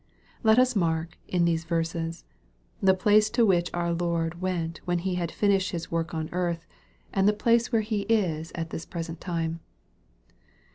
Let us mark, in these verses, the place to which our Lord ijent when He had finislied His work on earth, and 368 EXPOSITORY THOUGHTS. the place where He is at this present time.